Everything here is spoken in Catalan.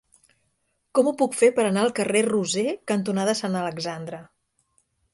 Com ho puc fer per anar al carrer Roser cantonada Sant Alexandre?